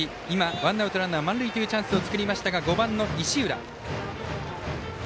ワンアウトランナー満塁というチャンスを作りましたが５番の石浦。